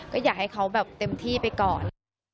ก็อยากให้เขาแบบเต็มที่ไปก่อน